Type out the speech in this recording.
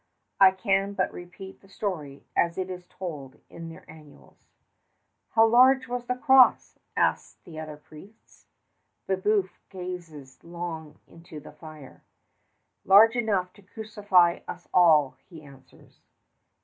I can but repeat the story as it is told in their annals. "How large was the cross?" asked the other priests. Brébeuf gazes long in the fire. "Large enough to crucify us all," he answers.